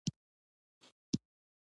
مصنوعي ځیرکتیا د انسان تفکر تقلیدوي.